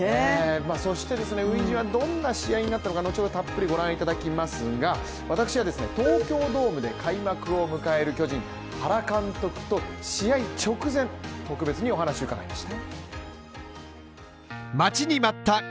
そして初陣はどんな試合になったのかのちほどたっぷり御覧いただきますが私は東京ドームで開幕を迎える巨人原監督と試合直前、特別にお話、伺いました。